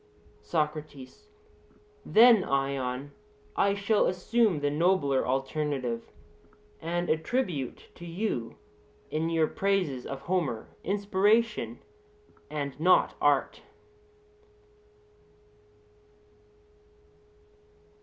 SOCRATES: Then, Ion, I shall assume the nobler alternative; and attribute to you in your praises of Homer inspiration, and not art.